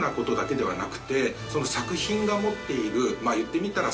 その作品が持っている言ってみたら。